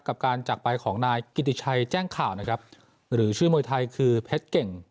กับการจากไปของนายกิติชัยแจ้งข่าวนะครับหรือชื่อมวยไทยคือเพชรเก่ง